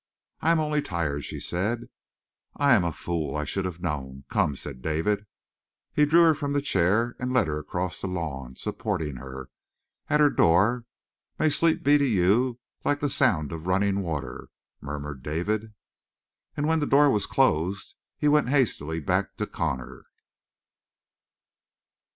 "I am only tired," she said. "I am a fool! I should have known. Come!" said David. He drew her from the chair and led her across the lawn, supporting her. At her door: "May sleep be to you like the sound of running water," murmured David. And when the door was closed he went hastily back to Connor.